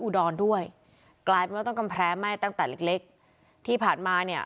อุดรด้วยกลายเป็นว่าต้องกำแพรมไหมตั้งแต่เล็กที่ผ่าน